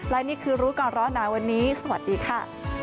และนี่คือรู้ก่อนร้อนหนาวันนี้สวัสดีค่ะ